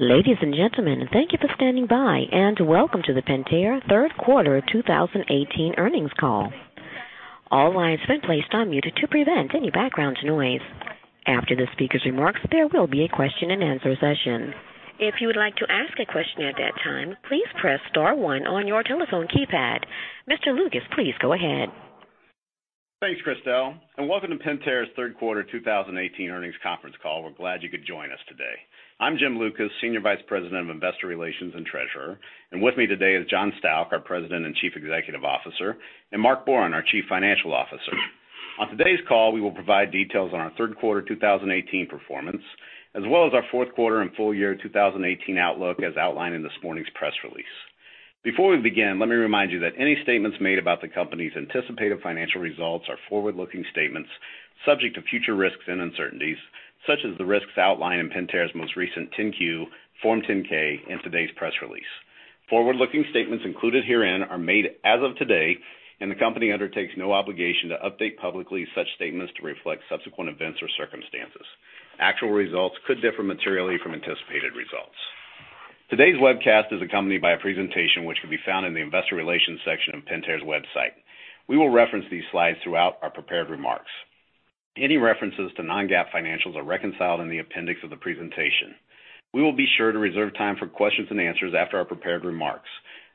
Ladies and gentlemen, thank you for standing by, and welcome to the Pentair Third Quarter 2018 Earnings Call. All lines have been placed on mute to prevent any background noise. After the speaker's remarks, there will be a question and answer session. If you would like to ask a question at that time, please press star one on your telephone keypad. Mr. Lucas, please go ahead. Thanks, Christelle, and welcome to Pentair's Third Quarter 2018 Earnings Conference Call. We're glad you could join us today. I'm Jim Lucas, Senior Vice President of Investor Relations and Treasurer. And with me today is John Stauch, our President and Chief Executive Officer, and Mark Borin, our Chief Financial Officer. On today's call, we will provide details on our third quarter 2018 performance, as well as our fourth quarter and full year 2018 outlook as outlined in this morning's press release. Before we begin, let me remind you that any statements made about the company's anticipated financial results are forward-looking statements subject to future risks and uncertainties, such as the risks outlined in Pentair's most recent 10-Q, Form 10-K, and today's press release. Forward-looking statements included herein are made as of today, and the company undertakes no obligation to update publicly such statements to reflect subsequent events or circumstances. Actual results could differ materially from anticipated results. Today's webcast is accompanied by a presentation which can be found in the investor relations section of Pentair's website. We will reference these slides throughout our prepared remarks. Any references to non-GAAP financials are reconciled in the appendix of the presentation. We will be sure to reserve time for questions and answers after our prepared remarks.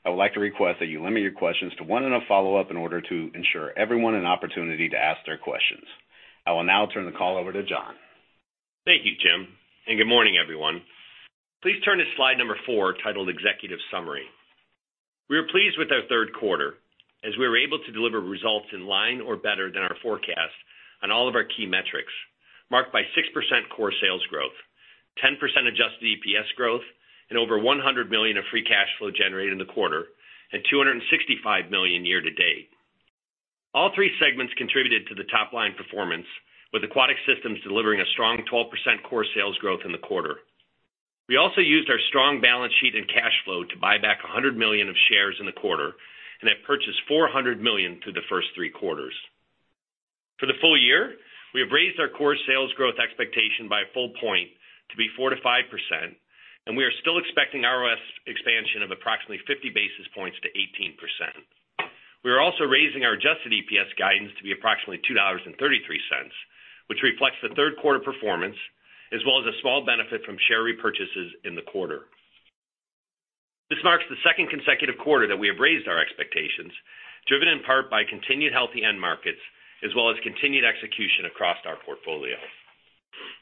I would like to request that you limit your questions to one and a follow-up in order to ensure everyone an opportunity to ask their questions. I will now turn the call over to John. Thank you, Jim, and good morning, everyone. Please turn to slide number four, titled Executive Summary. We are pleased with our third quarter, as we were able to deliver results in line or better than our forecast on all of our key metrics, marked by 6% core sales growth, 10% adjusted EPS growth, and over $100 million of free cash flow generated in the quarter, and $265 million year to date. All three segments contributed to the top-line performance, with Aquatic Systems delivering a strong 12% core sales growth in the quarter. We also used our strong balance sheet and cash flow to buy back $100 million of shares in the quarter, and have purchased $400 million through the first three quarters. For the full year, we have raised our core sales growth expectation by a full point to be 4%-5%, and we are still expecting ROS expansion of approximately 50 basis points to 18%. We are also raising our adjusted EPS guidance to be approximately $2.33, which reflects the third quarter performance, as well as a small benefit from share repurchases in the quarter. This marks the second consecutive quarter that we have raised our expectations, driven in part by continued healthy end markets as well as continued execution across our portfolio.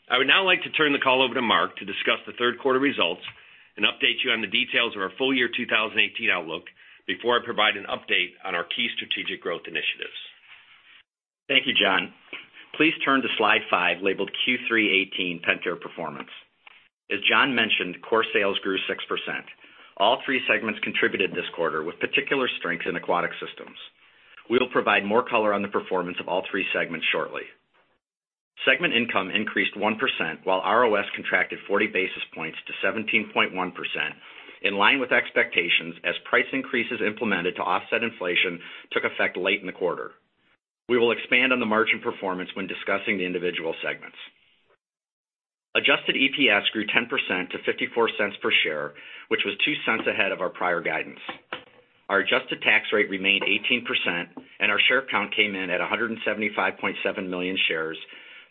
I would now like to turn the call over to Mark to discuss the third quarter results and update you on the details of our full year 2018 outlook before I provide an update on our key strategic growth initiatives. Thank you, John. Please turn to slide five, labeled Q3 '18 Pentair Performance. As John mentioned, core sales grew 6%. All three segments contributed this quarter, with particular strength in Aquatic Systems. We will provide more color on the performance of all three segments shortly. Segment income increased 1%, while ROS contracted 40 basis points to 17.1%, in line with expectations as price increases implemented to offset inflation took effect late in the quarter. We will expand on the margin performance when discussing the individual segments. Adjusted EPS grew 10% to $0.54 per share, which was $0.02 ahead of our prior guidance. Our adjusted tax rate remained 18%, and our share count came in at 175.7 million shares,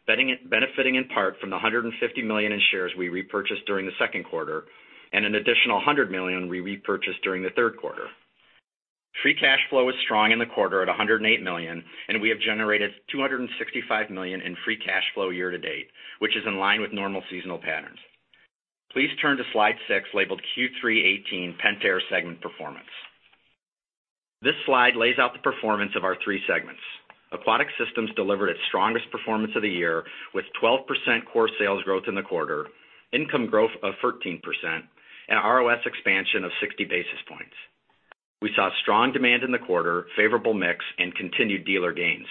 benefiting in part from the $150 million in shares we repurchased during the second quarter, and an additional $100 million we repurchased during the third quarter. Free cash flow was strong in the quarter at $108 million, and we have generated $265 million in free cash flow year to date, which is in line with normal seasonal patterns. Please turn to slide six, labeled Q3 '18 Pentair Segment Performance. This slide lays out the performance of our three segments. Aquatic Systems delivered its strongest performance of the year with 12% core sales growth in the quarter, income growth of 13%, and ROS expansion of 60 basis points. We saw strong demand in the quarter, favorable mix, and continued dealer gains.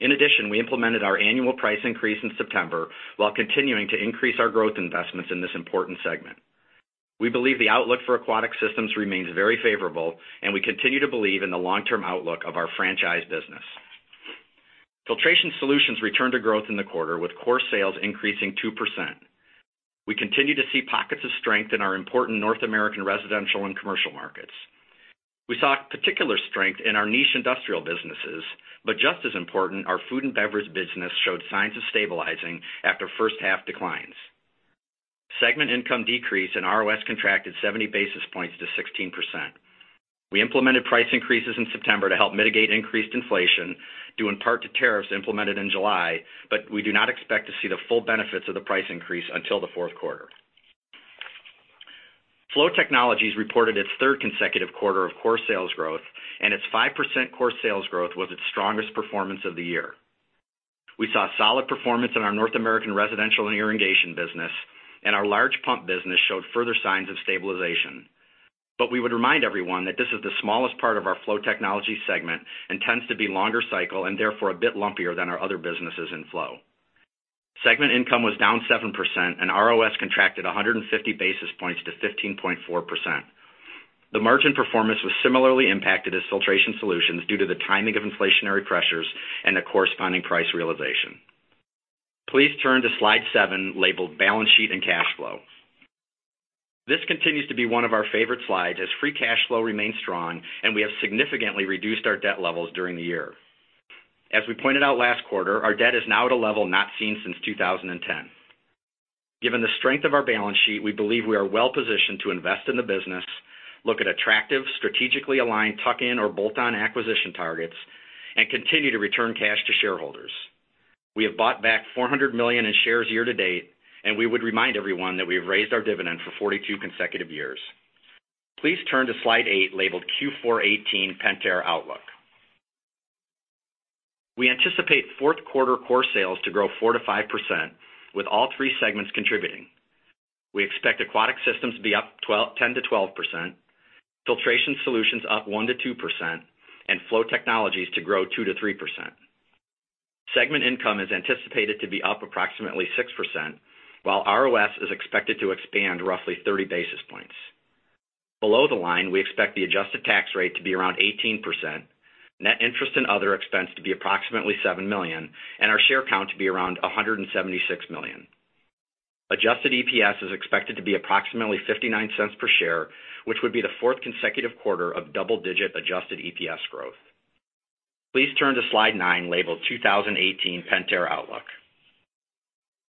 In addition, we implemented our annual price increase in September while continuing to increase our growth investments in this important segment. We believe the outlook for Aquatic Systems remains very favorable, and we continue to believe in the long-term outlook of our franchise business. Filtration Solutions returned to growth in the quarter, with core sales increasing 2%. We continue to see pockets of strength in our important North American residential and commercial markets. We saw particular strength in our niche industrial businesses, just as important, our food and beverage business showed signs of stabilizing after first half declines. Segment income decrease and ROS contracted 70 basis points to 16%. We implemented price increases in September to help mitigate increased inflation due in part to tariffs implemented in July, we do not expect to see the full benefits of the price increase until the fourth quarter. Flow Technologies reported its third consecutive quarter of core sales growth, and its 5% core sales growth was its strongest performance of the year. We saw solid performance in our North American residential and irrigation business, and our large pump business showed further signs of stabilization. We would remind everyone that this is the smallest part of our Flow Technologies segment and tends to be longer cycle and therefore a bit lumpier than our other businesses in Flow. Segment income was down 7% and ROS contracted 150 basis points to 15.4%. The margin performance was similarly impacted as Filtration Solutions due to the timing of inflationary pressures and the corresponding price realization. Please turn to Slide 7, labeled Balance Sheet and Cash Flow. This continues to be one of our favorite slides as free cash flow remains strong, and we have significantly reduced our debt levels during the year. As we pointed out last quarter, our debt is now at a level not seen since 2010. Given the strength of our balance sheet, we believe we are well-positioned to invest in the business, look at attractive, strategically aligned tuck-in or bolt-on acquisition targets, and continue to return cash to shareholders. We have bought back $400 million in shares year-to-date, and we would remind everyone that we have raised our dividend for 42 consecutive years. Please turn to Slide 8, labeled Q4 '18 Pentair Outlook. We anticipate fourth quarter core sales to grow 4%-5%, with all three segments contributing. We expect Aquatic Systems to be up 10%-12%, Filtration Solutions up 1%-2%, and Flow Technologies to grow 2%-3%. Segment income is anticipated to be up approximately 6%, while ROS is expected to expand roughly 30 basis points. Below the line, we expect the adjusted tax rate to be around 18%, net interest and other expense to be approximately $7 million, and our share count to be around 176 million. Adjusted EPS is expected to be approximately $0.59 per share, which would be the fourth consecutive quarter of double-digit adjusted EPS growth. Please turn to Slide 9, labeled 2018 Pentair Outlook.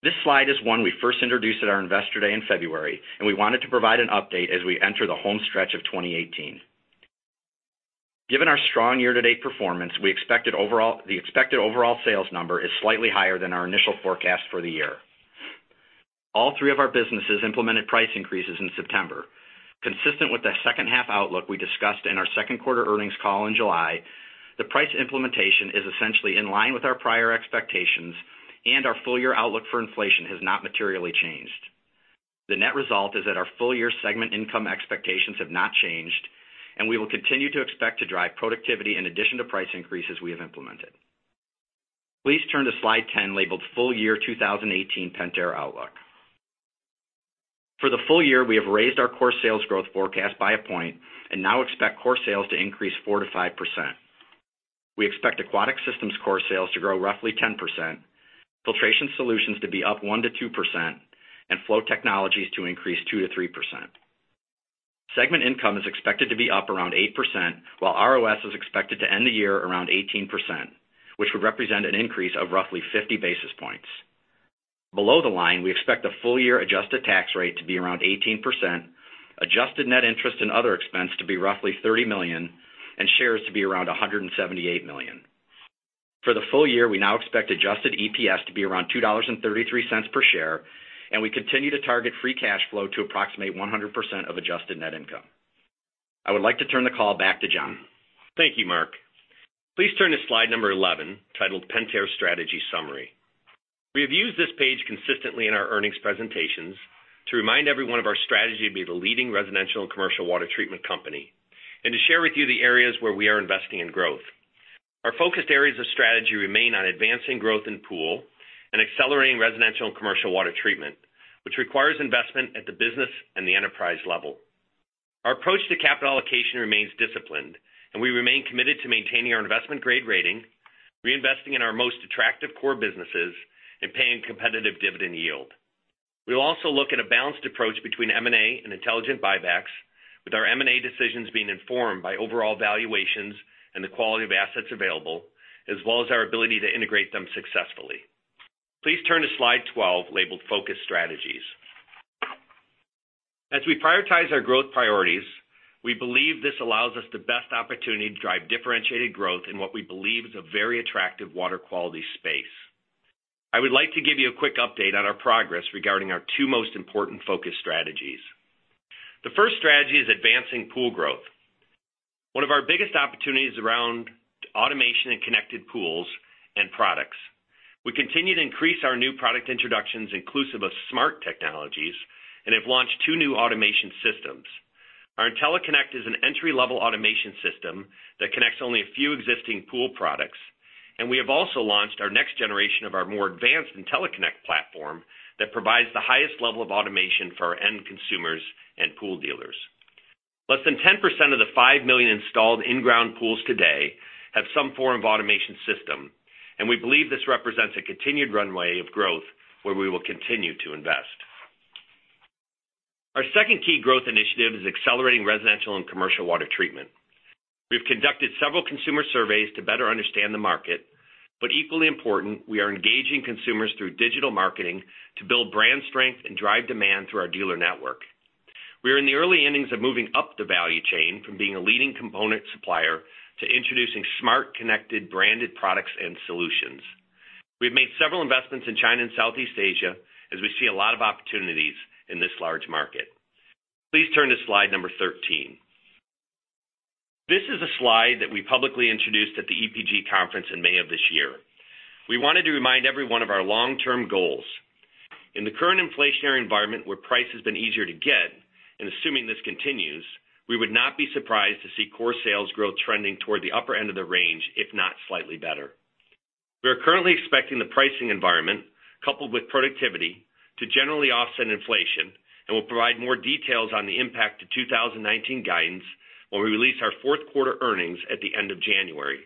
This slide is one we first introduced at our Investor Day in February, and we wanted to provide an update as we enter the home stretch of 2018. Given our strong year-to-date performance, the expected overall sales number is slightly higher than our initial forecast for the year. All three of our businesses implemented price increases in September. Consistent with the second half outlook we discussed in our second quarter earnings call in July, the price implementation is essentially in line with our prior expectations. Our full-year outlook for inflation has not materially changed. The net result is that our full-year Segment income expectations have not changed, and we will continue to expect to drive productivity in addition to price increases we have implemented. Please turn to Slide 10, labeled Full Year 2018 Pentair Outlook. For the full year, we have raised our core sales growth forecast by a point and now expect core sales to increase 4%-5%. We expect Aquatic Systems core sales to grow roughly 10%, Filtration Solutions to be up 1%-2%, and Flow Technologies to increase 2%-3%. Segment income is expected to be up around 8%, while ROS is expected to end the year around 18%, which would represent an increase of roughly 50 basis points. Below the line, we expect the full-year adjusted tax rate to be around 18%, adjusted net interest and other expense to be roughly $30 million, and shares to be around 178 million. For the full year, we now expect adjusted EPS to be around $2.33 per share, and we continue to target free cash flow to approximate 100% of adjusted net income. I would like to turn the call back to John. Thank you, Mark. Please turn to Slide Number 11, titled Pentair Strategy Summary. We have used this page consistently in our earnings presentations to remind everyone of our strategy to be the leading residential and commercial water treatment company and to share with you the areas where we are investing in growth. Our focused areas of strategy remain on advancing growth in pool and accelerating residential and commercial water treatment, which requires investment at the business and the enterprise level. Our approach to capital allocation remains disciplined, and we remain committed to maintaining our investment grade rating, reinvesting in our most attractive core businesses, and paying competitive dividend yield. We will also look at a balanced approach between M&A and intelligent buybacks, with our M&A decisions being informed by overall valuations and the quality of assets available, as well as our ability to integrate them successfully. Please turn to Slide 12, labeled Focus Strategies. As we prioritize our growth priorities, we believe this allows us the best opportunity to drive differentiated growth in what we believe is a very attractive water quality space. I would like to give you a quick update on our progress regarding our two most important focus strategies. The first strategy is advancing pool growth. One of our biggest opportunities around automation and connected pools and products. We continue to increase our new product introductions inclusive of smart technologies and have launched two new automation systems. Our IntelliConnect is an entry-level automation system that connects only a few existing pool products. We have also launched our next generation of our more advanced IntelliConnect platform that provides the highest level of automation for our end consumers and pool dealers. Less than 10% of the 5 million installed in-ground pools today have some form of automation system, and we believe this represents a continued runway of growth where we will continue to invest. Our second key growth initiative is accelerating residential and commercial water treatment. We've conducted several consumer surveys to better understand the market, but equally important, we are engaging consumers through digital marketing to build brand strength and drive demand through our dealer network. We are in the early innings of moving up the value chain from being a leading component supplier to introducing smart, connected, branded products and solutions. We've made several investments in China and Southeast Asia as we see a lot of opportunities in this large market. Please turn to Slide Number 13. This is a slide that we publicly introduced at the EPG conference in May of this year. We wanted to remind everyone of our long-term goals. In the current inflationary environment where price has been easier to get, and assuming this continues, we would not be surprised to see core sales growth trending toward the upper end of the range, if not slightly better. We are currently expecting the pricing environment, coupled with productivity, to generally offset inflation, and we'll provide more details on the impact to 2019 guidance when we release our fourth quarter earnings at the end of January.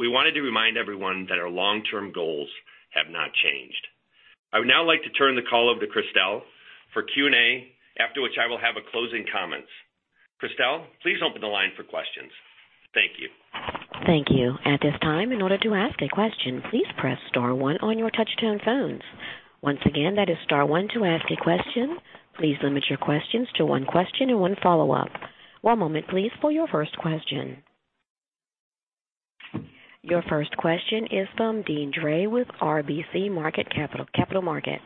We wanted to remind everyone that our long-term goals have not changed. I would now like to turn the call over to Christelle for Q&A, after which I will have a closing comments. Christelle, please open the line for questions. Thank you. Thank you. At this time, in order to ask a question, please press star one on your touch-tone phones. Once again, that is star one to ask a question. Please limit your questions to one question and one follow-up. One moment please for your first question. Your first question is from Deane Dray with RBC Capital Markets.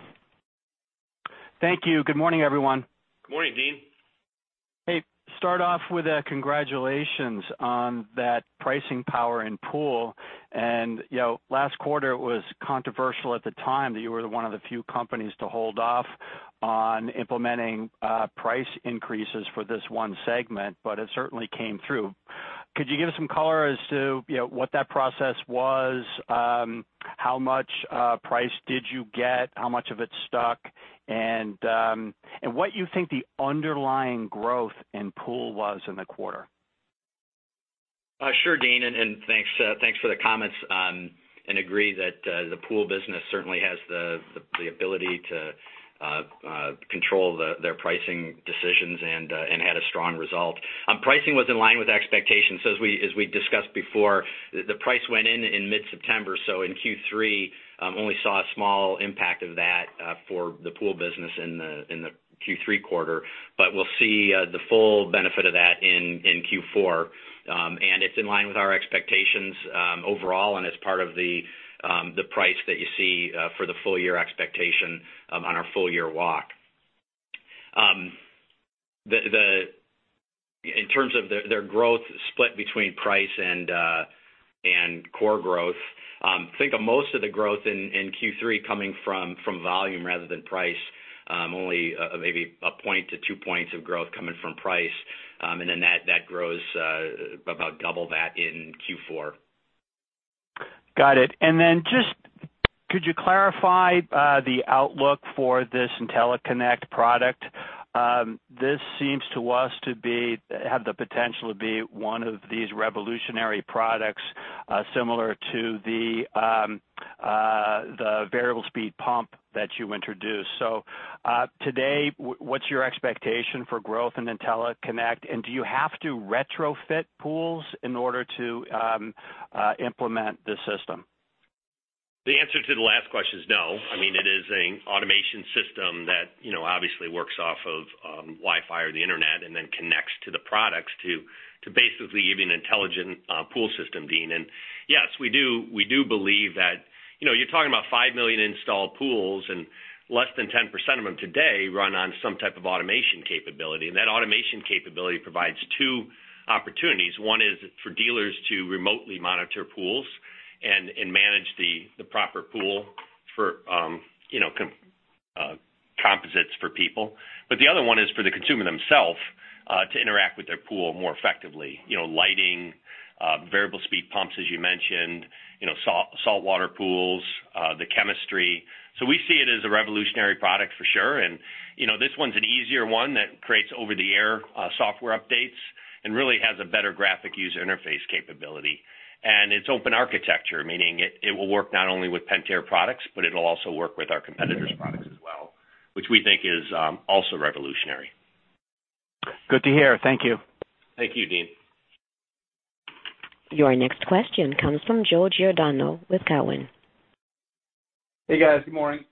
Thank you. Good morning, everyone. Good morning, Deane. Hey. Start off with a congratulations on that pricing power in pool. Last quarter, it was controversial at the time that you were one of the few companies to hold off on implementing price increases for this one segment, it certainly came through. Could you give us some color as to what that process was? How much price did you get? How much of it stuck? What you think the underlying growth in pool was in the quarter? Sure, Deane, thanks for the comments, agree that the pool business certainly has the ability to control their pricing decisions and had a strong result. Pricing was in line with expectations. As we discussed before, the price went in in mid-September, in Q3, only saw a small impact of that for the pool business in the Q3 quarter. We'll see the full benefit of that in Q4. It's in line with our expectations overall, it's part of the price that you see for the full-year expectation on our full-year walk. In terms of their growth split between price and core growth, think of most of the growth in Q3 coming from volume rather than price. Only maybe a point to two points of growth coming from price. That grows about double that in Q4. Got it. Just could you clarify the outlook for this IntelliConnect product? This seems to us to have the potential to be one of these revolutionary products similar to the variable speed pump that you introduced. Today, what's your expectation for growth in IntelliConnect, do you have to retrofit pools in order to implement the system? The answer to the last question is no. It is an automation system that obviously works off of Wi-Fi or the internet connects to the products to basically give you an intelligent pool system, Deane. Yes, we do believe that. You're talking about 5 million installed pools, less than 10% of them today run on some type of automation capability. That automation capability provides two opportunities. One is for dealers to remotely monitor pools and manage the proper pool for composites for people. The other one is for the consumer themself to interact with their pool more effectively. Lighting, variable speed pumps, as you mentioned, saltwater pools, the chemistry. We see it as a revolutionary product for sure, this one's an easier one that creates over-the-air software updates and really has a better graphic user interface capability. It's open architecture, meaning it will work not only with Pentair products, but it'll also work with our competitors' products as well, which we think is also revolutionary. Good to hear. Thank you. Thank you, Deane. Your next question comes from Joe Giordano with Cowen. Hey, guys. Good morning.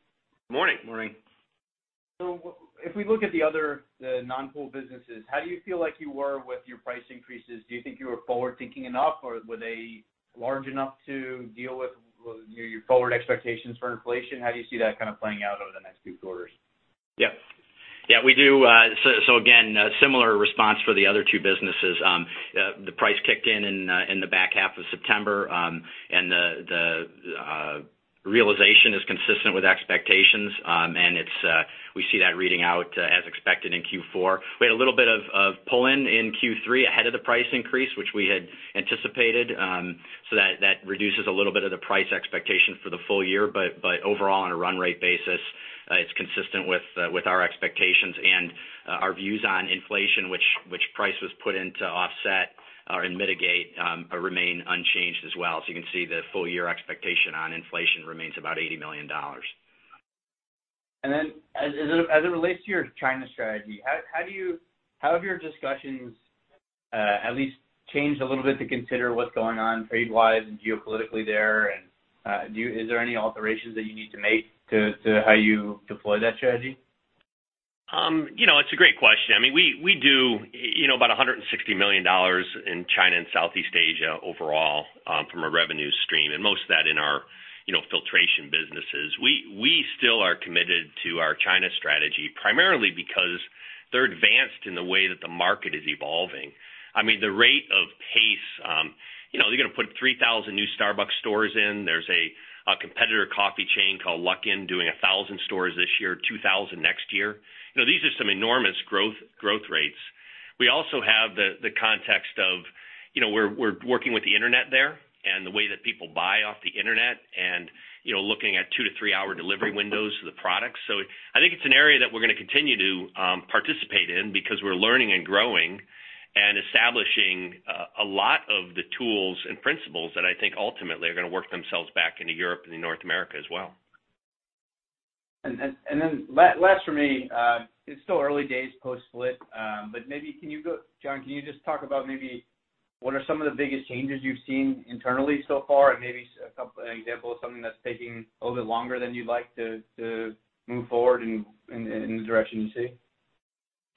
Morning. Morning. If we look at the other non-pool businesses, how do you feel like you were with your price increases? Do you think you were forward-thinking enough, or were they large enough to deal with your forward expectations for inflation? How do you see that kind of playing out over the next few quarters? Yep. Yeah, we do. Again, similar response for the other two businesses. The price kicked in in the back half of September, and the realization is consistent with expectations. We see that reading out as expected in Q4. We had a little bit of pull-in in Q3 ahead of the price increase, which we had anticipated. That reduces a little bit of the price expectation for the full year. Overall, on a run rate basis, it's consistent with our expectations and our views on inflation, which price was put in to offset or, and mitigate, remain unchanged as well. You can see the full year expectation on inflation remains about $80 million. Then, as it relates to your China strategy, how have your discussions at least changed a little bit to consider what's going on trade-wise and geopolitically there? Is there any alterations that you need to make to how you deploy that strategy? It's a great question. We do about $160 million in China and Southeast Asia overall from a revenue stream, and most of that in our filtration businesses. We still are committed to our China strategy, primarily because they're advanced in the way that the market is evolving. The rate of pace. They're going to put 3,000 new Starbucks stores in. There's a competitor coffee chain called Luckin doing 1,000 stores this year, 2,000 next year. These are some enormous growth rates. We also have the context of we're working with the internet there and the way that people buy off the internet and looking at two to three-hour delivery windows of the products. I think it's an area that we're going to continue to participate in because we're learning and growing and establishing a lot of the tools and principles that I think ultimately are going to work themselves back into Europe and North America as well. Last for me, it's still early days post-split, but maybe John, can you just talk about maybe what are some of the biggest changes you've seen internally so far, and maybe a couple of examples of something that's taking a little bit longer than you'd like to move forward in the direction you see?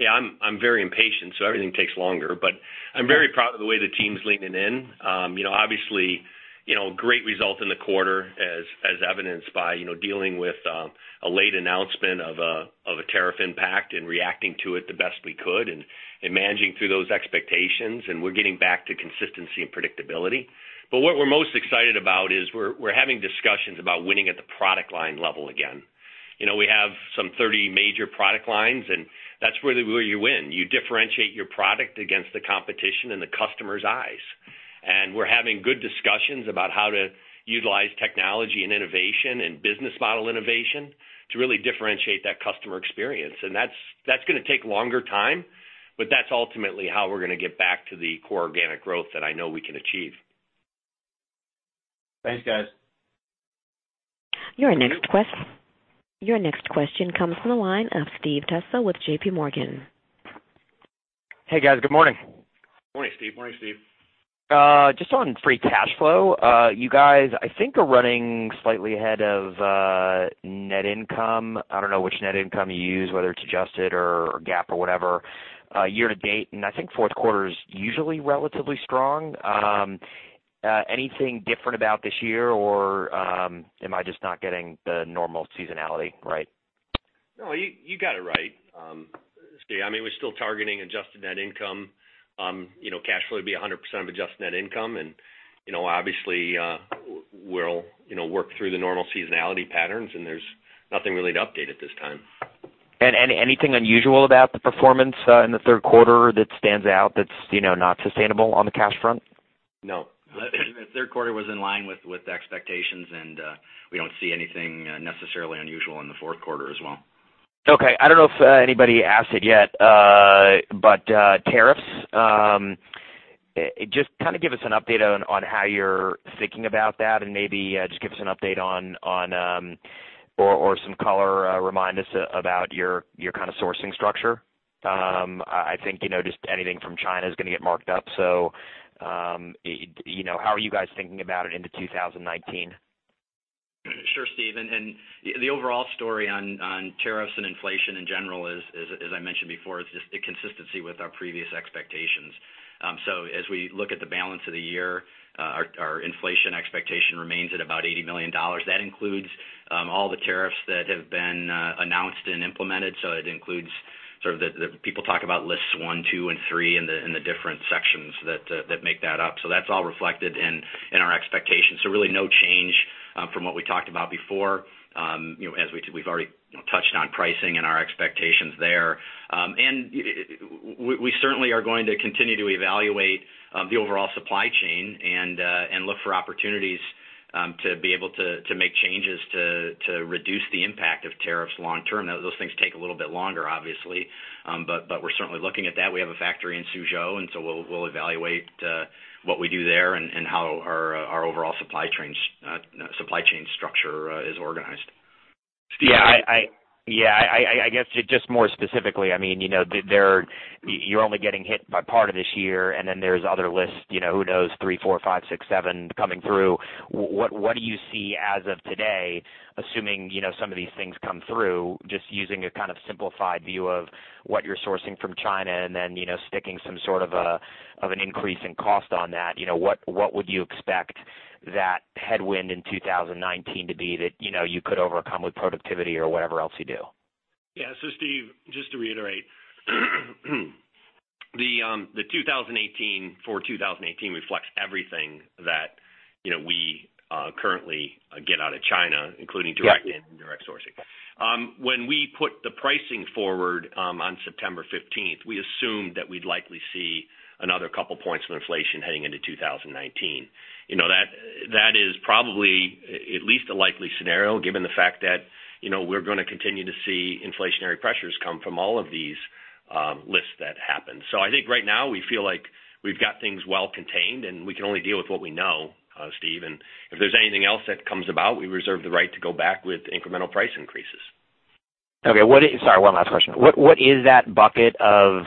I'm very impatient, everything takes longer. I'm very proud of the way the team's leaning in. Obviously, great result in the quarter as evidenced by dealing with a late announcement of a tariff impact and reacting to it the best we could and managing through those expectations. We're getting back to consistency and predictability. What we're most excited about is we're having discussions about winning at the product line level again. We have some 30 major product lines, and that's really where you win. You differentiate your product against the competition in the customer's eyes. We're having good discussions about how to utilize technology and innovation and business model innovation to really differentiate that customer experience. That's going to take longer time, but that's ultimately how we're going to get back to the core organic growth that I know we can achieve. Thanks, guys. Your next question comes from the line of Steve Tusa with J.P. Morgan. Hey, guys. Good morning. Morning, Steve. Morning, Steve. Just on free cash flow. You guys, I think, are running slightly ahead of net income. I don't know which net income you use, whether it's adjusted or GAAP or whatever, year to date. I think fourth quarter is usually relatively strong. Anything different about this year, or am I just not getting the normal seasonality right? No, you got it right, Steve. We're still targeting adjusted net income. Cash flow to be 100% of adjusted net income. Obviously, we'll work through the normal seasonality patterns, and there's nothing really to update at this time. Anything unusual about the performance in the third quarter that stands out that's not sustainable on the cash front? No. The third quarter was in line with expectations. We don't see anything necessarily unusual in the fourth quarter as well. Okay. I don't know if anybody asked it yet. Tariffs, just kind of give us an update on how you're thinking about that and maybe just give us an update or some color, remind us about your kind of sourcing structure. I think just anything from China is going to get marked up. How are you guys thinking about it into 2019? Sure, Steve. The overall story on tariffs and inflation in general is, as I mentioned before, is just the consistency with our previous expectations. As we look at the balance of the year, our inflation expectation remains at about $80 million. That includes all the tariffs that have been announced and implemented. It includes sort of the people talk about lists one, two, and three in the different sections that make that up. That's all reflected in our expectations. Really no change from what we talked about before. As we've already touched on pricing and our expectations there. We certainly are going to continue to evaluate the overall supply chain and look for opportunities to be able to make changes to reduce the impact of tariffs long term. Those things take a little bit longer, obviously. We're certainly looking at that. We have a factory in Suzhou. We'll evaluate what we do there and how our overall supply chain structure is organized. Yeah. I guess just more specifically, you're only getting hit by part of this year, and then there's other lists, who knows, three, four, five, six, seven coming through. What do you see as of today, assuming some of these things come through, just using a kind of simplified view of what you're sourcing from China and then sticking some sort of an increase in cost on that, what would you expect that headwind in 2019 to be that you could overcome with productivity or whatever else you do? Yeah. Steve, just to reiterate, the 2018 reflects everything that we currently get out of China, including direct and indirect sourcing. When we put the pricing forward on September 15th, we assumed that we'd likely see another couple points of inflation heading into 2019. That is probably at least a likely scenario, given the fact that we're going to continue to see inflationary pressures come from all of these lists that happen. I think right now we feel like we've got things well contained, and we can only deal with what we know, Steve. If there's anything else that comes about, we reserve the right to go back with incremental price increases. Okay. Sorry, one last question. What is that bucket of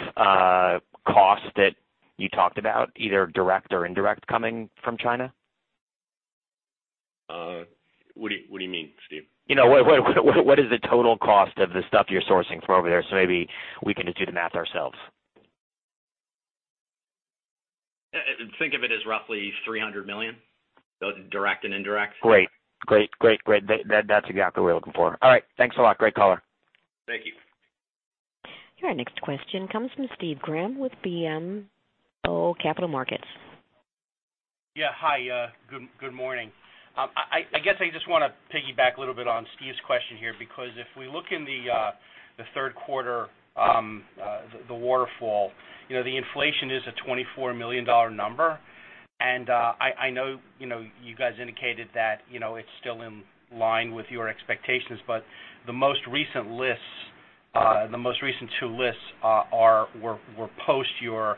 cost that you talked about, either direct or indirect coming from China? What do you mean, Steve? What is the total cost of the stuff you're sourcing from over there so maybe we can just do the math ourselves? Think of it as roughly $300 million, both direct and indirect. Great. That's exactly what we're looking for. All right. Thanks a lot. Great call. Thank you. Your next question comes from Scott Graham with BMO Capital Markets. Hi, good morning. I guess I just want to piggyback a little bit on Steve's question here. If we look in the third quarter, the waterfall. The inflation is a $24 million number, I know you guys indicated that it's still in line with your expectations, but the most recent two lists were post your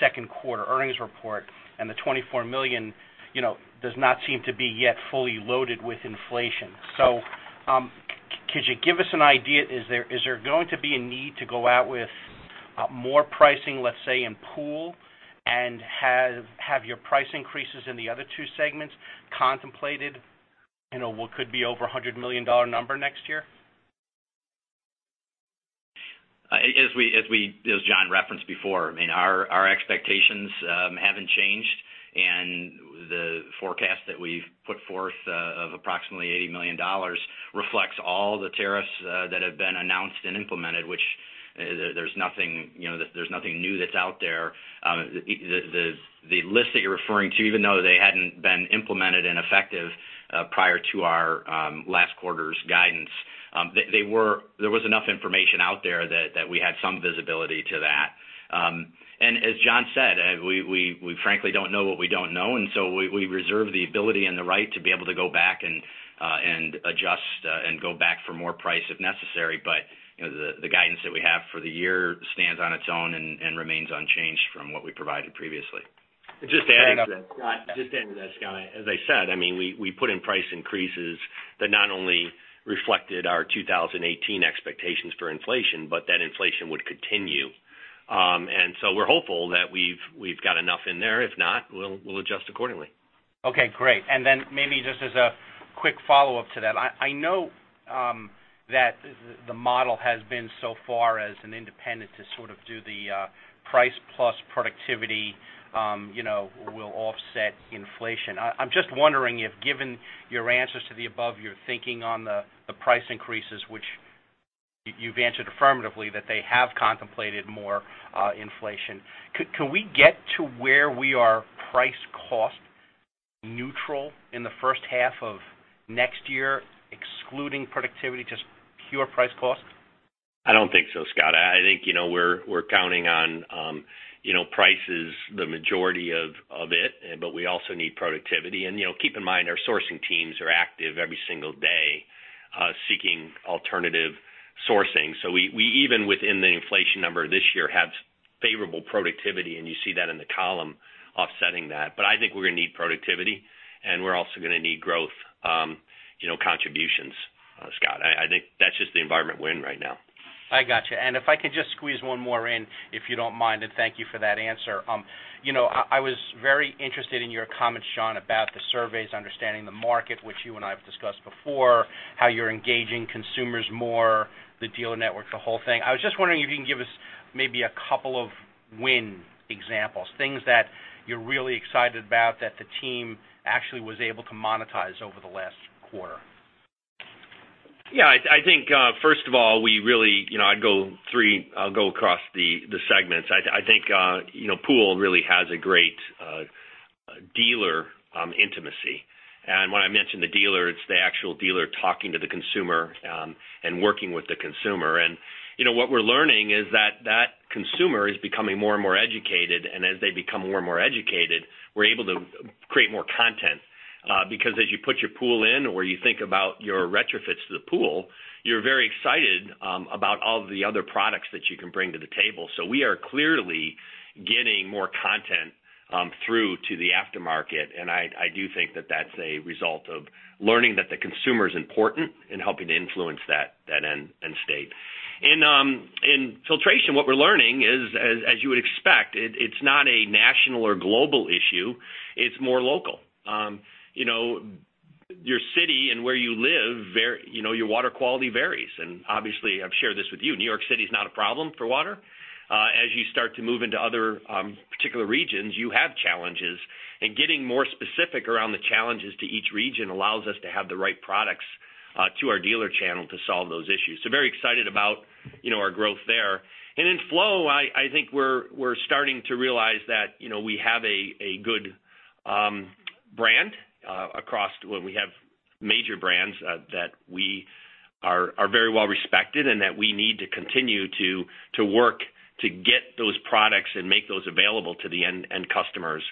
second quarter earnings report, the $24 million does not seem to be yet fully loaded with inflation. Could you give us an idea, is there going to be a need to go out with more pricing, let's say, in pool, and have your price increases in the other two segments contemplated what could be over $100 million number next year? As John referenced before, our expectations haven't changed, the forecast that we've put forth of approximately $80 million reflects all the tariffs that have been announced and implemented, which there's nothing new that's out there. The list that you're referring to, even though they hadn't been implemented and effective prior to our last quarter's guidance, there was enough information out there that we had some visibility to that. As John said, we frankly don't know what we don't know, we reserve the ability and the right to be able to go back and adjust and go back for more price if necessary. The guidance that we have for the year stands on its own and remains unchanged from what we provided previously. Just to add to that, Scott, as I said, we put in price increases that not only reflected our 2018 expectations for inflation, but that inflation would continue. We're hopeful that we've got enough in there. If not, we'll adjust accordingly. Okay, great. Maybe just as a quick follow-up to that. I know that the model has been so far as an independent to sort of do the price plus productivity will offset inflation. I'm just wondering if, given your answers to the above, you're thinking on the price increases, which you've answered affirmatively, that they have contemplated more inflation. Could we get to where we are price cost neutral in the first half of next year, excluding productivity, just pure price cost? I don't think so, Scott. I think we're counting on prices the majority of it, but we also need productivity. Keep in mind, our sourcing teams are active every single day seeking alternative sourcing. We, even within the inflation number this year, have favorable productivity, and you see that in the column offsetting that. I think we're going to need productivity, and we're also going to need growth contributions, Scott. I think that's just the environment we're in right now. I got you. If I could just squeeze one more in, if you don't mind, and thank you for that answer. I was very interested in your comments, John, about the surveys, understanding the market, which you and I have discussed before, how you're engaging consumers more, the dealer network, the whole thing. I was just wondering if you can give us maybe a couple of win examples, things that you're really excited about that the team actually was able to monetize over the last quarter. Yeah. I think, first of all, I'll go across the segments. I think Pool really has a great dealer intimacy. When I mention the dealer, it's the actual dealer talking to the consumer and working with the consumer. What we're learning is that that consumer is becoming more and more educated, and as they become more and more educated, we're able to create more content. As you put your pool in or you think about your retrofits to the pool, you're very excited about all of the other products that you can bring to the table. We are clearly getting more content through to the aftermarket, and I do think that that's a result of learning that the consumer is important in helping to influence that end state. In Filtration, what we're learning is, as you would expect, it's not a national or global issue, it's more local. Your city and where you live, your water quality varies. Obviously, I've shared this with you, New York City is not a problem for water. As you start to move into other particular regions, you have challenges, and getting more specific around the challenges to each region allows us to have the right products to our dealer channel to solve those issues. Very excited about our growth there. In Flow, I think we're starting to realize that we have major brands that we are very well respected and that we need to continue to work to get those products and make those available to the end customers.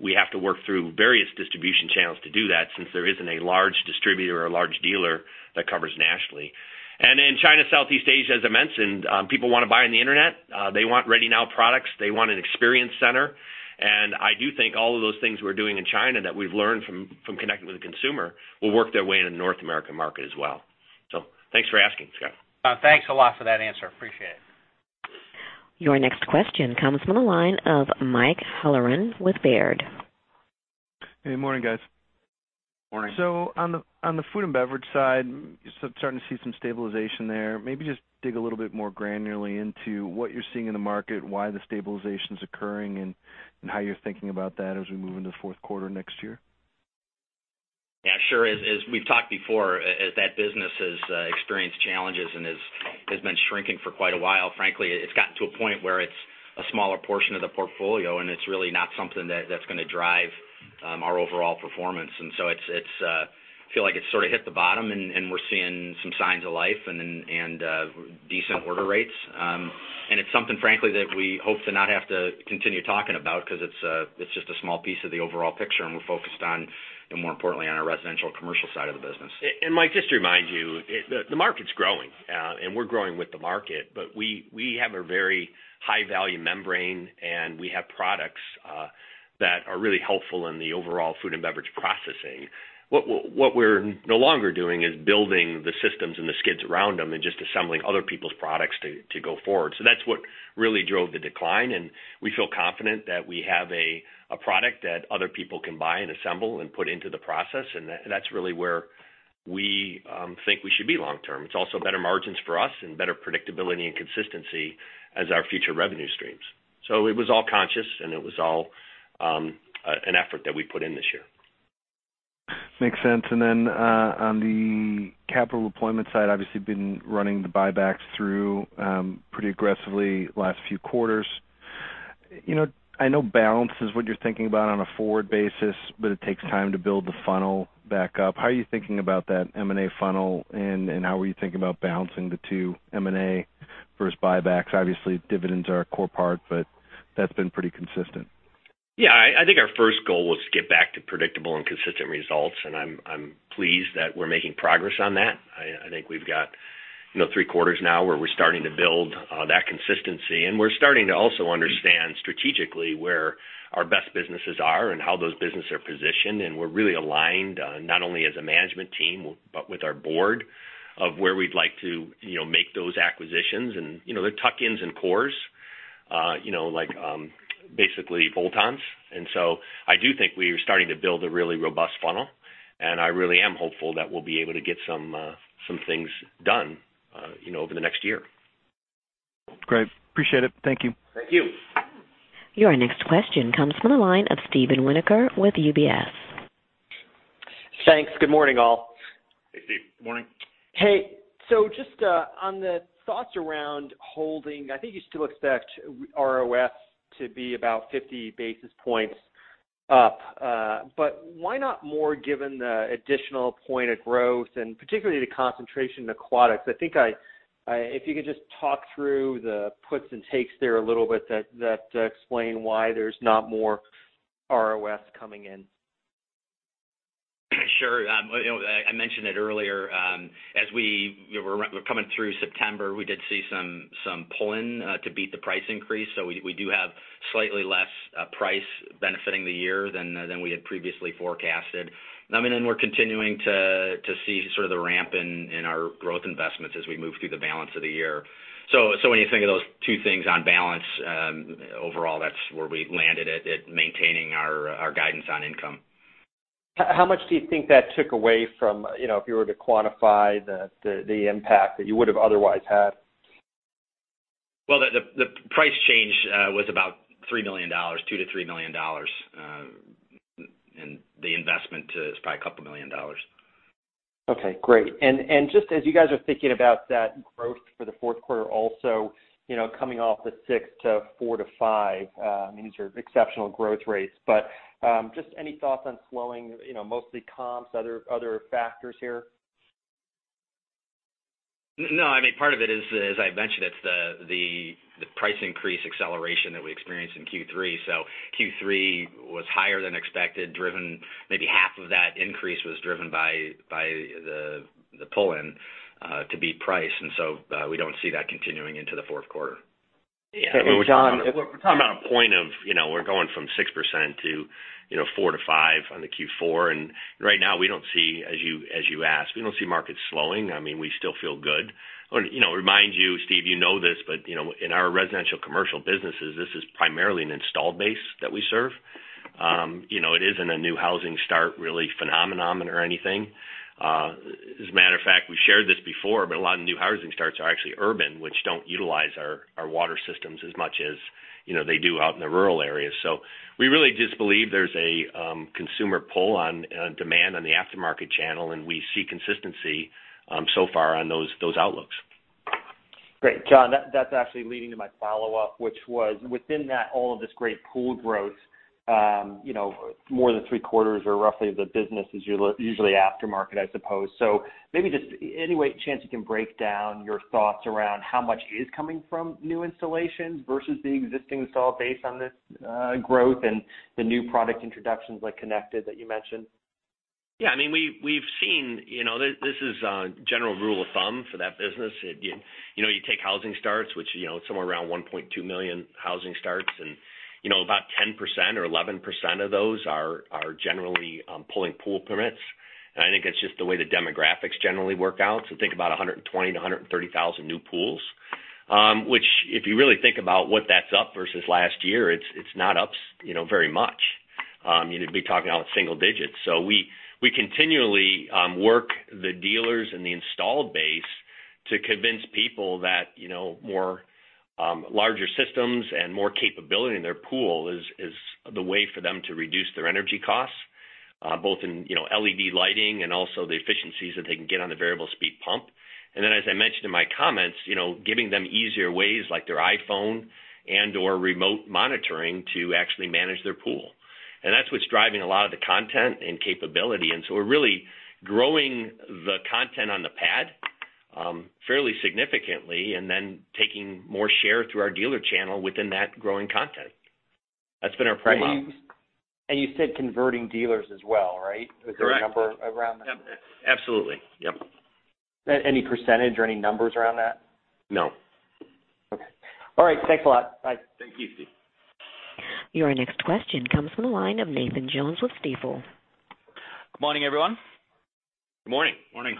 We have to work through various distribution channels to do that, since there isn't a large distributor or a large dealer that covers nationally. In China, Southeast Asia, as I mentioned, people want to buy on the internet. They want ready now products. They want an experience center. I do think all of those things we're doing in China that we've learned from connecting with the consumer will work their way into the North American market as well. Thanks for asking, Scott. John, thanks a lot for that answer. Appreciate it. Your next question comes from the line of Michael Halloran with Baird. Good morning, guys. Morning. On the food and beverage side, starting to see some stabilization there. Maybe just dig a little more granularly into what you're seeing in the market, why the stabilization's occurring, and how you're thinking about that as we move into the fourth quarter next year. Sure. As we've talked before, as that business has experienced challenges and has been shrinking for quite a while, frankly, it's gotten to a point where it's a smaller portion of the portfolio, and it's really not something that's going to drive our overall performance. I feel like it sort of hit the bottom, and we're seeing some signs of life and decent order rates. It's something, frankly, that we hope to not have to continue talking about because it's just a small piece of the overall picture, and we're focused on, more importantly, on our residential commercial side of the business. Mike, just to remind you, the market's growing, and we're growing with the market, but we have a very high-value membrane, and we have products that are really helpful in the overall food and beverage processing. What we're no longer doing is building the systems and the skids around them and just assembling other people's products to go forward. That's what really drove the decline, and we feel confident that we have a product that other people can buy and assemble and put into the process, and that's really where we think we should be long term. It's also better margins for us and better predictability and consistency as our future revenue streams. It was all conscious, and it was all an effort that we put in this year. Makes sense. Then, on the capital deployment side, obviously been running the buybacks through pretty aggressively last few quarters. I know balance is what you're thinking about on a forward basis, but it takes time to build the funnel back up. How are you thinking about that M&A funnel, and how are you thinking about balancing the two, M&A versus buybacks? Obviously, dividends are a core part, but that's been pretty consistent. Yeah. I think our first goal was to get back to predictable and consistent results. I'm pleased that we're making progress on that. I think we've got three quarters now where we're starting to build that consistency. We're starting to also understand strategically where our best businesses are and how those businesses are positioned. We're really aligned, not only as a management team, but with our board of where we'd like to make those acquisitions. They're tuck-ins and cores, like basically bolt-ons. I do think we are starting to build a really robust funnel. I really am hopeful that we'll be able to get some things done over the next year. Great. Appreciate it. Thank you. Thank you. Your next question comes from the line of Steven Winoker with UBS. Thanks. Good morning, all. Hey, Steve. Morning. Hey. Just on the thoughts around holding, I think you still expect ROS to be about 50 basis points up. Why not more given the additional one point of growth and particularly the concentration in aquatics? I think if you could just talk through the puts and takes there a little bit that explain why there's not more ROS coming in. I mentioned it earlier. As we were coming through September, we did see some pull-in to beat the price increase. We do have slightly less price benefiting the year than we had previously forecasted. We're continuing to see sort of the ramp in our growth investments as we move through the balance of the year. When you think of those two things on balance, overall, that's where we landed it, at maintaining our guidance on income. How much do you think that took away from, if you were to quantify the impact that you would have otherwise had? Well, the price change was about $3 million, $2 million-$3 million. The investment is probably a couple of million dollars. Okay, great. Just as you guys are thinking about that growth for the fourth quarter also, coming off the six to four to five, I mean, these are exceptional growth rates, just any thoughts on slowing mostly comps, other factors here? No. Part of it is, as I mentioned, it's the price increase acceleration that we experienced in Q3. Q3 was higher than expected, maybe half of that increase was driven by the pull-in to beat price. We don't see that continuing into the fourth quarter. John, we're talking about a point of we're going from 6% to 4 to 5 on the Q4. Right now we don't see, as you asked, we don't see markets slowing. We still feel good. To remind you, Steve, you know this, but in our residential commercial businesses, this is primarily an installed base that we serve. It isn't a new housing start really phenomenon or anything. As a matter of fact, we shared this before, but a lot of new housing starts are actually urban, which don't utilize our water systems as much as they do out in the rural areas. We really just believe there's a consumer pull on demand on the aftermarket channel, and we see consistency so far on those outlooks. Great. John, that's actually leading to my follow-up, which was within that all of this great pool growth, more than three quarters or roughly the business is usually aftermarket, I suppose. Maybe just any chance you can break down your thoughts around how much is coming from new installations versus the existing install base on this growth and the new product introductions like IntelliConnect that you mentioned? Yeah. This is a general rule of thumb for that business. You take housing starts, which is somewhere around 1.2 million housing starts, and about 10% or 11% of those are generally pulling pool permits. I think it's just the way the demographics generally work out. Think about 120,000-130,000 new pools. Which if you really think about what that's up versus last year, it's not up very much. You'd be talking about single digits. We continually work the dealers and the installed base to convince people that more larger systems and more capability in their pool is the way for them to reduce their energy costs, both in LED lighting and also the efficiencies that they can get on the variable speed pump. As I mentioned in my comments, giving them easier ways like their iPhone and/or remote monitoring to actually manage their pool. That's what's driving a lot of the content and capability. We're really growing the content on the pad fairly significantly and then taking more share through our dealer channel within that growing content. That's been our priority. You said converting dealers as well, right? Correct. Is there a number around that? Absolutely. Yep. Any % or any numbers around that? No. Okay. All right. Thanks a lot. Bye. Thank you. Your next question comes from the line of Nathan Jones with Stifel. Good morning, everyone. Good morning. Morning.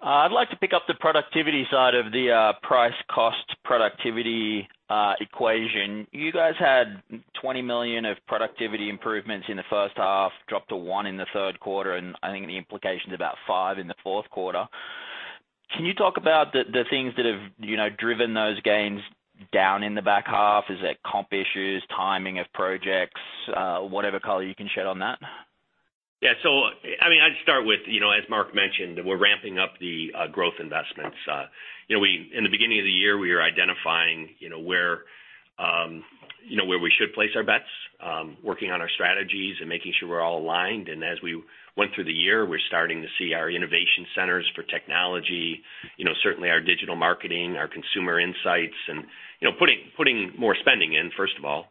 I'd like to pick up the productivity side of the price cost productivity equation. You guys had $20 million of productivity improvements in the first half, dropped to one in the third quarter, and I think the implication's about five in the fourth quarter. Can you talk about the things that have driven those gains down in the back half? Is it comp issues, timing of projects, whatever color you can shed on that? Yeah. I'd start with, as Mark mentioned, we're ramping up the growth investments. In the beginning of the year, we were identifying where we should place our bets, working on our strategies, and making sure we're all aligned. As we went through the year, we're starting to see our innovation centers for technology, certainly our digital marketing, our consumer insights, and putting more spending in, first of all.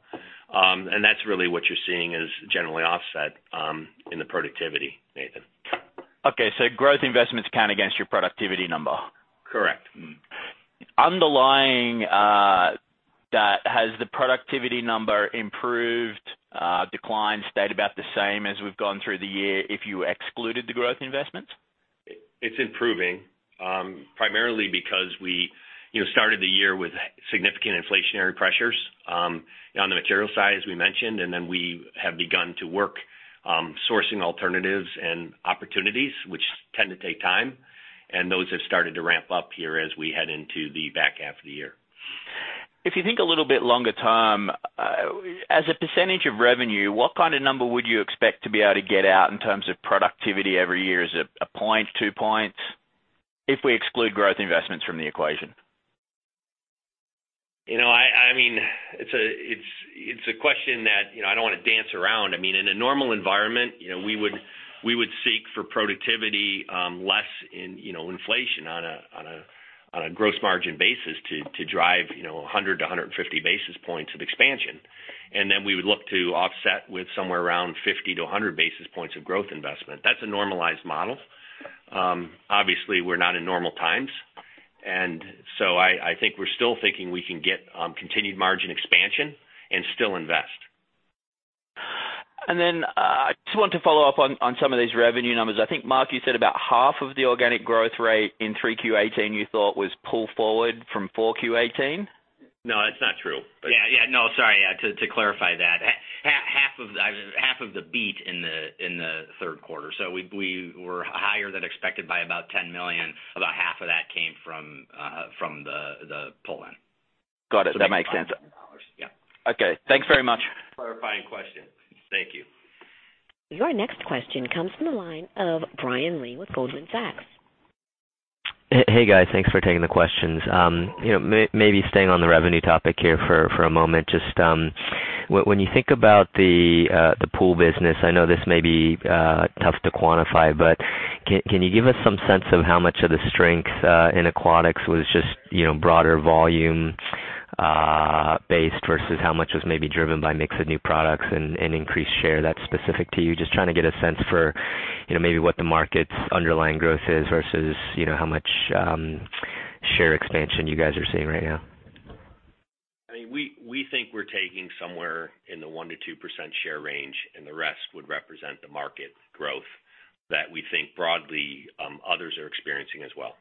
That's really what you're seeing is generally offset in the productivity, Nathan. Okay. Growth investments count against your productivity number? Correct. Mm-hmm. Underlying that, has the productivity number improved, declined, stayed about the same as we've gone through the year if you excluded the growth investments? It's improving, primarily because we started the year with significant inflationary pressures on the material side, as we mentioned, we have begun to work sourcing alternatives and opportunities, which tend to take time, those have started to ramp up here as we head into the back half of the year. If you think a little bit longer term, as a percentage of revenue, what kind of number would you expect to be able to get out in terms of productivity every year? Is it a point, two points, if we exclude growth investments from the equation? It's a question that I don't want to dance around. In a normal environment, we would seek for productivity less in inflation on a gross margin basis to drive 100 to 150 basis points of expansion. Then we would look to offset with somewhere around 50 to 100 basis points of growth investment. That's a normalized model. Obviously, we're not in normal times, I think we're still thinking we can get continued margin expansion and still invest. Then I just want to follow up on some of these revenue numbers. I think, Mark, you said about half of the organic growth rate in 3Q18 you thought was pulled forward from 4Q18. No, that's not true. No, sorry. To clarify that. Half of the beat in the third quarter. We were higher than expected by about $10 million. About half of that came from the pull-in. Got it. That makes sense. Yeah. Okay. Thanks very much. Clarifying question. Thank you. Your next question comes from the line of Brian Lee with Goldman Sachs. Hey, guys. Thanks for taking the questions. Staying on the revenue topic here for a moment. When you think about the pool business, I know this may be tough to quantify, but can you give us some sense of how much of the strength in Aquatic Systems was just broader volume based versus how much was maybe driven by mix of new products and increased share that's specific to you? Trying to get a sense for maybe what the market's underlying growth is versus how much share expansion you guys are seeing right now. We think we're taking somewhere in the 1%-2% share range, the rest would represent the market growth that we think broadly others are experiencing as well.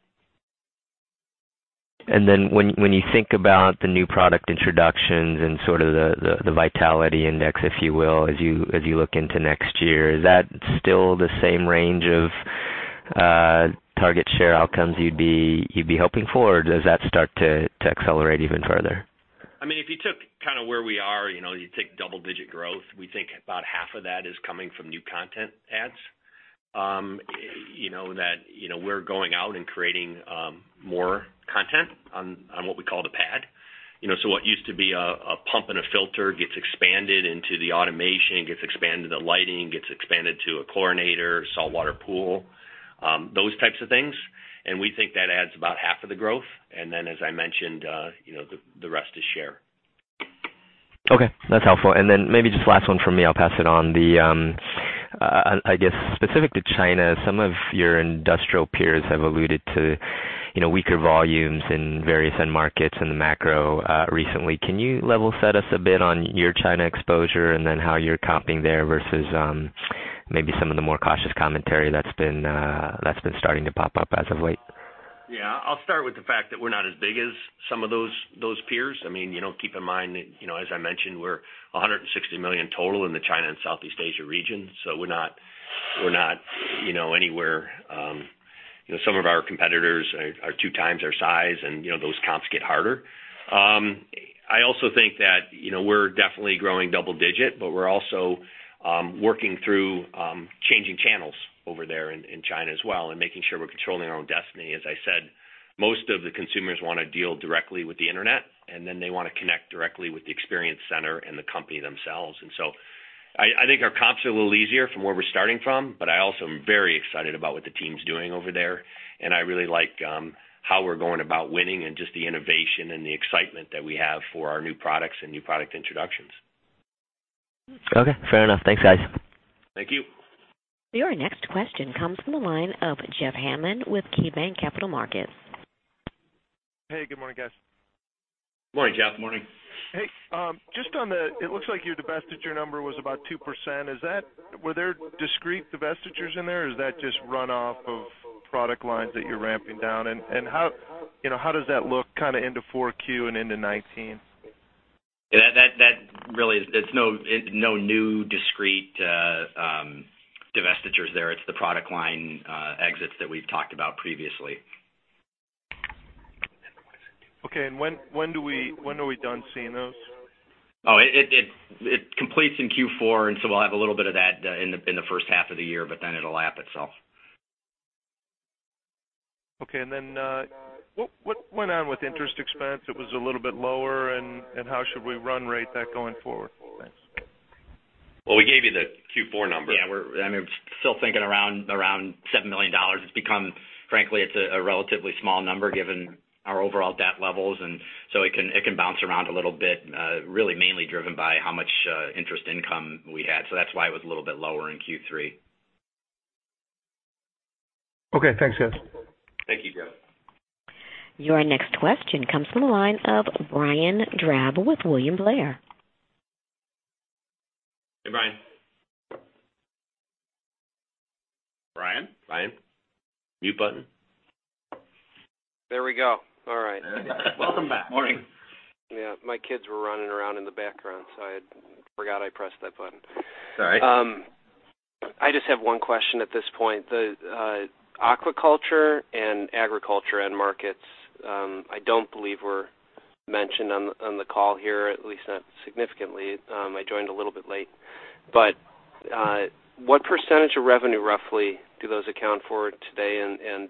When you think about the new product introductions and sort of the vitality index, if you will, as you look into next year, is that still the same range of target share outcomes you'd be hoping for? Does that start to accelerate even further? If you took kind of where we are, you take double-digit growth, we think about half of that is coming from new content adds. That we're going out and creating more content on what we call the pad. What used to be a pump and a filter gets expanded into the automation, gets expanded to lighting, gets expanded to a chlorinator, saltwater pool, those types of things, and we think that adds about half of the growth. As I mentioned, the rest is share. Okay, that's helpful. Maybe just last one from me, I'll pass it on. I guess specific to China, some of your industrial peers have alluded to weaker volumes in various end markets in the macro recently. Can you level set us a bit on your China exposure and then how you're comping there versus maybe some of the more cautious commentary that's been starting to pop up as of late? Yeah. I'll start with the fact that we're not as big as some of those peers. Keep in mind that, as I mentioned, we're $160 million total in the China and Southeast Asia region, so We're not anywhere Some of our competitors are two times our size, and those comps get harder. I also think that we're definitely growing double digit, but we're also working through changing channels over there in China as well and making sure we're controlling our own destiny. As I said, most of the consumers want to deal directly with the Internet, and then they want to connect directly with the experience center and the company themselves. I think our comps are a little easier from where we're starting from, but I also am very excited about what the team's doing over there, and I really like how we're going about winning and just the innovation and the excitement that we have for our new products and new product introductions. Okay, fair enough. Thanks, guys. Thank you. Your next question comes from the line of Jeffrey Hammond with KeyBanc Capital Markets. Hey, good morning, guys. Morning, Jeff. Morning. Hey, just on the, it looks like your divestiture number was about 2%. Were there discrete divestitures in there, or is that just runoff of product lines that you're ramping down? How does that look kind of into 4Q and into 2019? That really, it's no new discrete divestitures there. It's the product line exits that we've talked about previously. Okay, when are we done seeing those? Oh, it completes in Q4. We'll have a little bit of that in the first half of the year. It'll lap itself. Okay, what went on with interest expense? It was a little bit lower. How should we run rate that going forward? Thanks. Well, we gave you the Q4 number. Yeah, we're still thinking around $7 million. It's become, frankly, it's a relatively small number given our overall debt levels. It can bounce around a little bit really mainly driven by how much interest income we had. That's why it was a little bit lower in Q3. Okay, thanks, guys. Thank you, Jeff. Your next question comes from the line of Brian Drab with William Blair. Hey, Brian. Brian? Brian? Mute button. There we go. All right. Welcome back. Morning. Yeah. My kids were running around in the background, so I forgot I pressed that button. It's all right. I just have one question at this point. The aquaculture and agriculture end markets, I don't believe were mentioned on the call here, at least not significantly. I joined a little bit late. What percentage of revenue, roughly, do those account for today?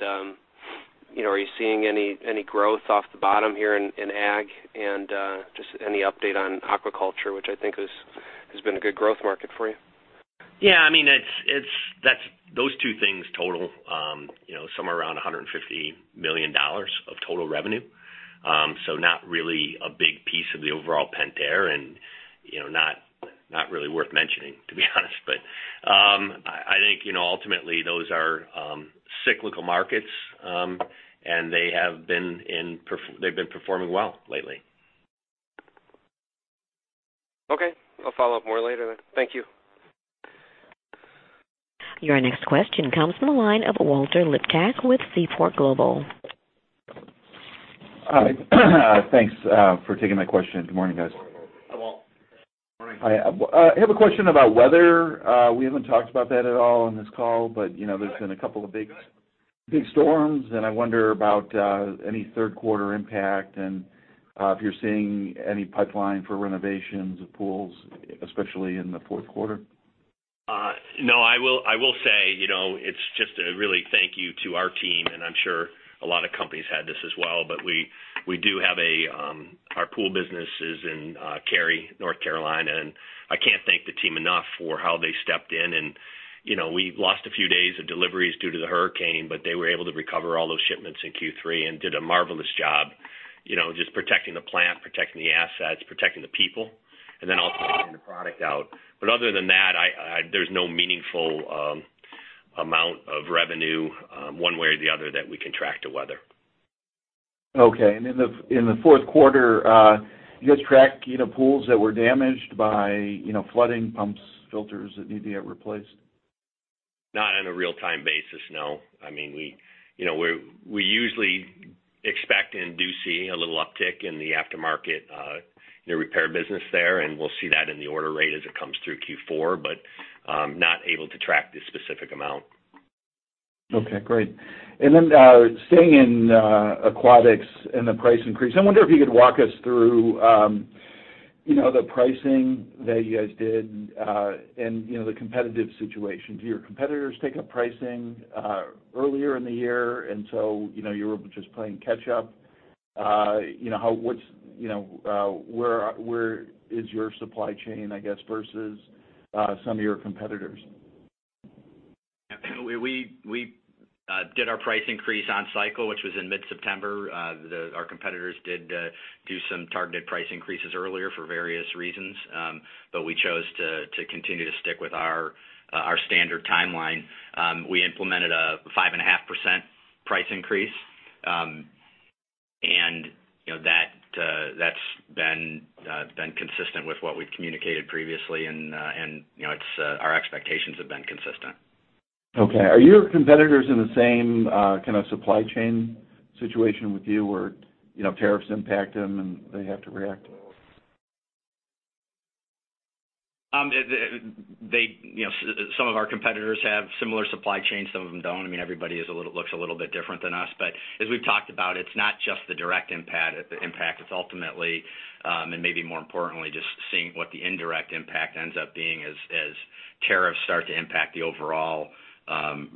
Are you seeing any growth off the bottom here in ag? Just any update on aquaculture, which I think has been a good growth market for you. Those two things total somewhere around $150 million of total revenue. Not really a big piece of the overall Pentair and not really worth mentioning, to be honest. I think ultimately those are cyclical markets, and they've been performing well lately. Okay. I'll follow up more later then. Thank you. Your next question comes from the line of Walter Liptak with Seaport Global. Hi. Thanks for taking my question. Good morning, guys. Hi, Walt. Morning. I have a question about weather. We haven't talked about that at all on this call, but there's been a couple of big storms, and I wonder about any third-quarter impact and if you're seeing any pipeline for renovations of pools, especially in the fourth quarter. I will say, it's just a really thank you to our team. I'm sure a lot of companies had this as well, but our pool business is in Cary, North Carolina, and I can't thank the team enough for how they stepped in. We lost a few days of deliveries due to the hurricane, but they were able to recover all those shipments in Q3 and did a marvelous job just protecting the plant, protecting the assets, protecting the people, and then also getting the product out. Other than that, there's no meaningful amount of revenue one way or the other that we can track to weather. Okay. In the fourth quarter, do you guys track pools that were damaged by flooding, pumps, filters that need to get replaced? Not on a real-time basis, no. We usually expect and do see a little uptick in the aftermarket repair business there, and we'll see that in the order rate as it comes through Q4, but not able to track the specific amount. Okay, great. Staying in aquatics and the price increase, I wonder if you could walk us through the pricing that you guys did and the competitive situation. Do your competitors take up pricing earlier in the year, so you were just playing catch-up? Where is your supply chain, I guess, versus some of your competitors? We did our price increase on cycle, which was in mid-September. Our competitors did do some targeted price increases earlier for various reasons, but we chose to continue to stick with our standard timeline. We implemented a 5.5% price increase, and that's been consistent with what we've communicated previously, and our expectations have been consistent. Okay. Are your competitors in the same kind of supply chain situation with you where tariffs impact them, and they have to react? Some of our competitors have similar supply chains, some of them don't. Everybody looks a little bit different than us. As we've talked about, it's not just the direct impact, it's ultimately, and maybe more importantly, just seeing what the indirect impact ends up being as tariffs start to impact the overall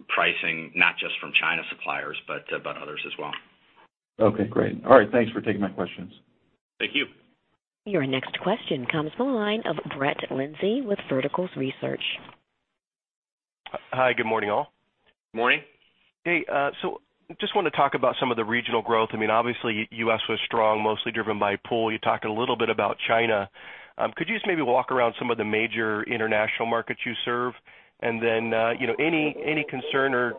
pricing, not just from China suppliers, but others as well. Okay, great. All right. Thanks for taking my questions. Thank you. Your next question comes from the line of Brett Lindsey with Verticals Research. Hi, good morning, all. Morning. Hey, just want to talk about some of the regional growth. Obviously, U.S. was strong, mostly driven by pool. You talked a little bit about China. Could you just maybe walk around some of the major international markets you serve, and then any concern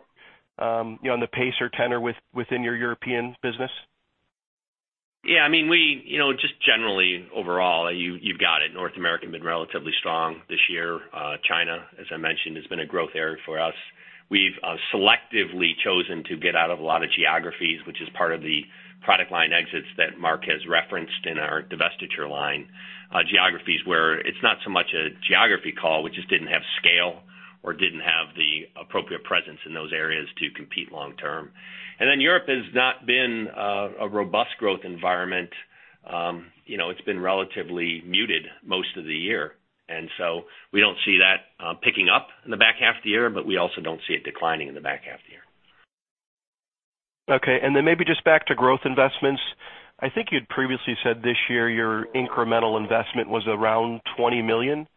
on the pace or tenor within your European business? Yeah, just generally overall, you've got it. North America has been relatively strong this year. China, as I mentioned, has been a growth area for us. We've selectively chosen to get out of a lot of geographies, which is part of the product line exits that Mark has referenced in our divestiture line. Geographies where it's not so much a geography call, we just didn't have scale or didn't have the appropriate presence in those areas to compete long term. Europe has not been a robust growth environment. It's been relatively muted most of the year, and so we don't see that picking up in the back half of the year, but we also don't see it declining in the back half of the year. Okay, maybe just back to growth investments. I think you'd previously said this year your incremental investment was around $20 million.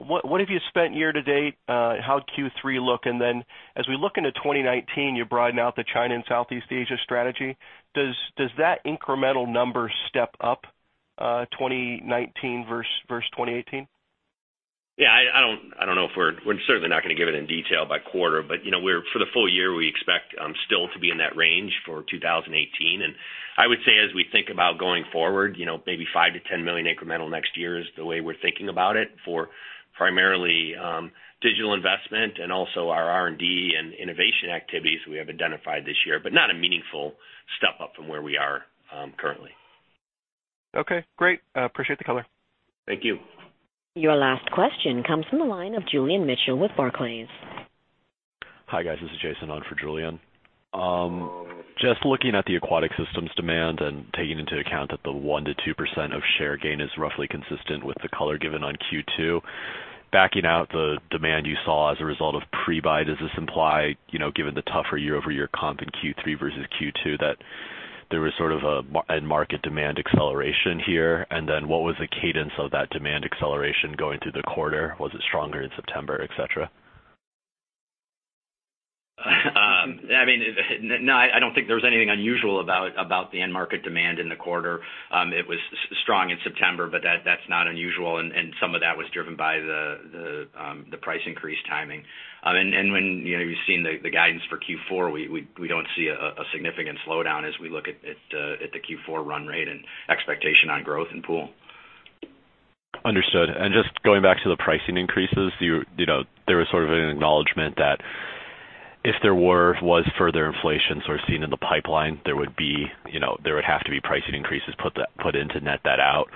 What have you spent year to date? How did Q3 look? As we look into 2019, you're broadening out the China and Southeast Asia strategy. Does that incremental number step up 2019 versus 2018? Yeah, we're certainly not going to give it in detail by quarter, but for the full year, we expect still to be in that range for 2018. I would say as we think about going forward, maybe $5 million-$10 million incremental next year is the way we're thinking about it for primarily digital investment and also our R&D and innovation activities we have identified this year, but not a meaningful step up from where we are currently. Okay, great. Appreciate the color. Thank you. Your last question comes from the line of Julian Mitchell with Barclays. Hi, guys. This is Jason on for Julian. Just looking at the Aquatic Systems demand and taking into account that the 1%-2% of share gain is roughly consistent with the color given on Q2. Backing out the demand you saw as a result of pre-buy, does this imply, given the tougher year-over-year comp in Q3 versus Q2, that there was sort of an end market demand acceleration here? What was the cadence of that demand acceleration going through the quarter? Was it stronger in September, et cetera? No, I don't think there was anything unusual about the end market demand in the quarter. It was strong in September, but that's not unusual, and some of that was driven by the price increase timing. When you've seen the guidance for Q4, we don't see a significant slowdown as we look at the Q4 run rate and expectation on growth in pool. Understood. Just going back to the pricing increases, there was sort of an acknowledgement that if there was further inflation seen in the pipeline, there would have to be pricing increases put in to net that out.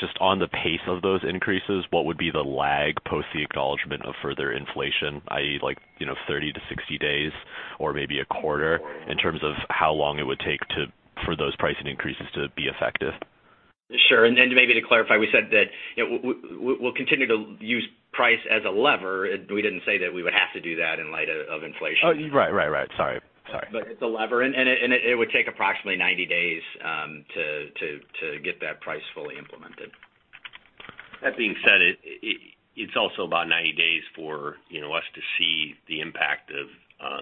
Just on the pace of those increases, what would be the lag post the acknowledgement of further inflation, i.e., 30-60 days or maybe a quarter in terms of how long it would take for those pricing increases to be effective? Sure. Maybe to clarify, we said that we'll continue to use price as a lever. We didn't say that we would have to do that in light of inflation. Oh, right. Sorry. It's a lever, and it would take approximately 90 days to get that price fully implemented. That being said, it's also about 90 days for us to see the impact of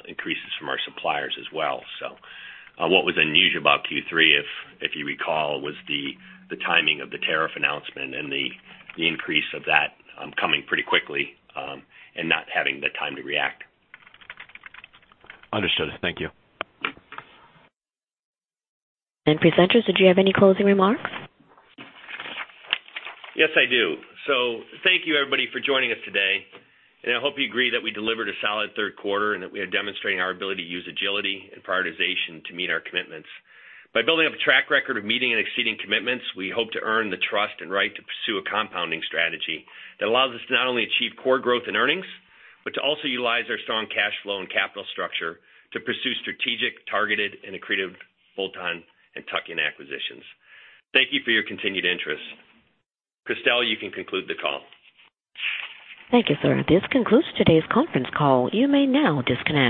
increases from our suppliers as well. What was unusual about Q3, if you recall, was the timing of the tariff announcement and the increase of that coming pretty quickly and not having the time to react. Understood. Thank you. Presenters, did you have any closing remarks? Yes, I do. Thank you everybody for joining us today, and I hope you agree that we delivered a solid third quarter and that we are demonstrating our ability to use agility and prioritization to meet our commitments. By building up a track record of meeting and exceeding commitments, we hope to earn the trust and right to pursue a compounding strategy that allows us to not only achieve core growth in earnings, but to also utilize our strong cash flow and capital structure to pursue strategic, targeted, and accretive bolt-on and tuck-in acquisitions. Thank you for your continued interest. Christelle, you can conclude the call. Thank you, sir. This concludes today's conference call. You may now disconnect.